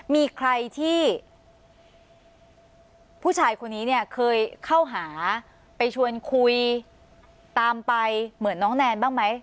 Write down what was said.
มีใครที่ผู้ชายคนนี้เนี่ยเคยเข้าหาไปชวนคุยตามไปเหมือนน้องแนนบ้างไหม